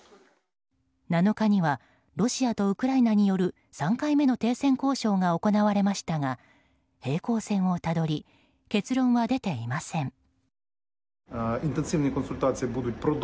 ７日にはロシアとウクライナによる３回目の停戦交渉が行われましたが、平行線をたどり結論は出ていません。